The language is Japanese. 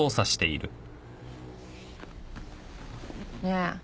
ねえ。